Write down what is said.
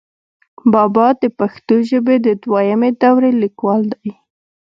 بابا دَپښتو ژبې دَدويمي دورې ليکوال دی،